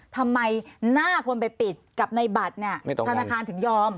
ทำไมหน้าคนไปปิดกับในบัตรเนี่ยธนาคารถึงยอม